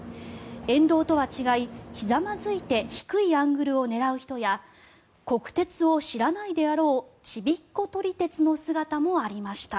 沿道とは違い、ひざまずいて低いアングルを狙う人や国鉄を知らないであろうちびっこ撮り鉄の姿もありました。